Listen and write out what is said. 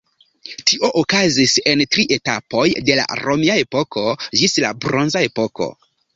Tio okazis en tri etapoj de la romia epoko ĝis la bronza epoko.